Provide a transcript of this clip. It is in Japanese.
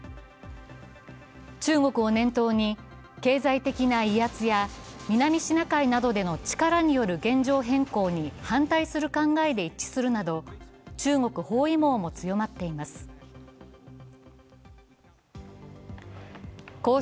中国を念頭に経済的な威圧や南シナ海などでの力による現状変更に反対する考えで一致するなど、中国包囲網も強まっています。